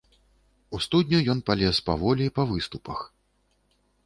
У студню ён палез паволі, па выступах.